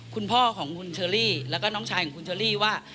คุณพ่อของคุณเชอรี่แล้วก็น้องชายของคุณเชอรี่ว่า